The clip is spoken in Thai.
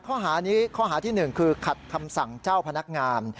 ข้อหานี้ข้อหาที่๑คือขัดคำสั่งเจ้าพนักงาน